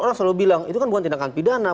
orang selalu bilang itu kan bukan tindakan pidana